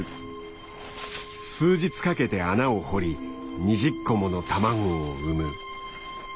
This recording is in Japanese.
数日かけて穴を掘り２０個もの卵を産む。